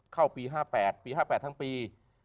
เข้าปี๕๘ปี๕๘ทั้งปี